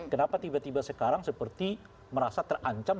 kenapa tiba tiba sekarang seperti merasa terancam